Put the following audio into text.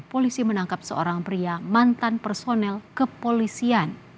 polisi menangkap seorang pria mantan personel kepolisian